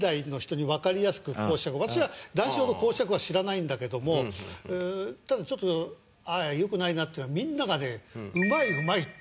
私は談志師匠の講釈は知らないんだけどもただちょっとああ良くないなっていうのはみんながね「うまいうまい」って言うんですよ。